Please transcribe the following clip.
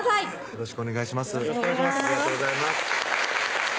よろしくお願いします